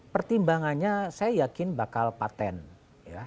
pertimbangannya saya yakin bakal patent ya